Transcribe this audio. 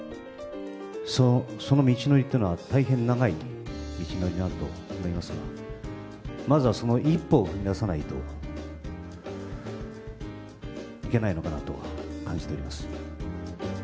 その道のりっていうのは大変長い道のりになると思いますが、まずはその一歩を踏み出さないといけないのかなと感じております。